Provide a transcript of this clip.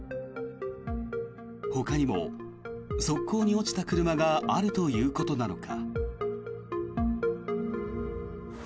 ほかにも側溝に落ちた車があるということなのか。